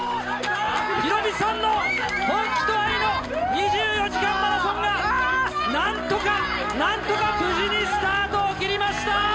ヒロミさんの本気と愛の２４時間マラソンが、なんとか、なんとか無事にスタートを切りました。